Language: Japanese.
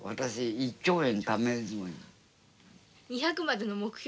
２００までの目標